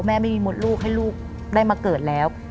แม่ไม่มีมดลูกให้ลูกได้มาเกิดแล้ว